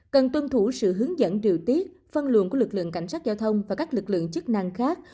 cần tuân thủ sự hướng dẫn điều tiết phân luận của lực lượng cảnh sát giao thông và các lực lượng chức năng khác